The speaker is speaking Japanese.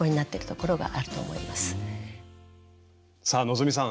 さあ希さん